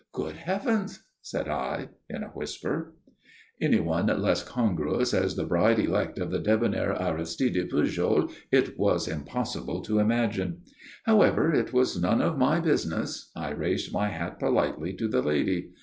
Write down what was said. "Good heavens!" said I, in a whisper. Anyone less congruous as the bride elect of the debonair Aristide Pujol it was impossible to imagine. However, it was none of my business. I raised my hat politely to the lady.